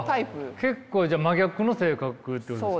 結構じゃあ真逆の性格ってことですか？